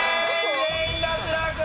全員脱落！